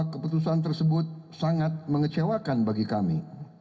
keputusan tersebut sangat mengecewakan bagi kami